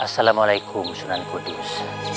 assalamualaikum sunan kudus